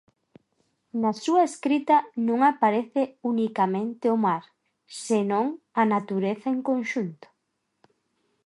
Na súa escrita non aparece unicamente o mar, senón a natureza en conxunto.